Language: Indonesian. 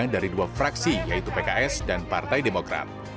dari dua fraksi yaitu pks dan partai demokrat